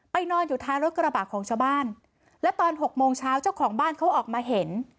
นอนอยู่ท้ายรถกระบะของชาวบ้านและตอนหกโมงเช้าเจ้าของบ้านเขาออกมาเห็น